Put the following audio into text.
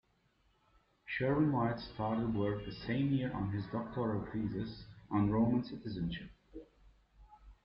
Sherwin-White started work the same year on his doctoral thesis, on Roman citizenship.